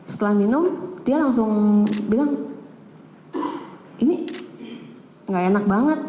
setelah minum dia langsung bilang ini gak enak banget